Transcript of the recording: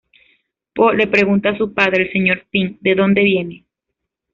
Po le pregunta a su padre, el señor Ping, de dónde viene.